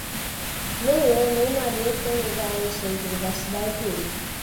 Nem eu nem Maria fomos ao centro da cidade hoje.